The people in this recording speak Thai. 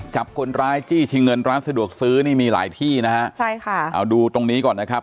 จับคนร้ายจี้ชิงเงินร้านสะดวกซื้อนี่มีหลายที่นะฮะใช่ค่ะเอาดูตรงนี้ก่อนนะครับ